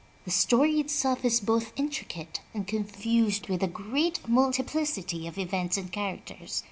The story itself is both intricate and confused with a great multi plicity of events and characters.